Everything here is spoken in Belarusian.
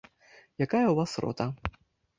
Якая ў вас рота?